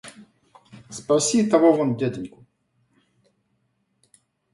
Спроси того вон дяденьку.